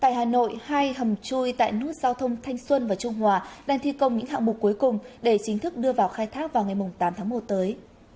tại hà nội hai hầm chui tại nút giao thông thanh xuân và trung hòa đang thi công những hạng mục cuối cùng để chính thức đưa vào khai thác vào ngày tám tháng một tới